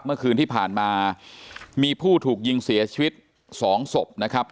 เมื่อคืนที่ผ่านมามีผู้ถูกยิงเสียชีวิตสองศพนะครับ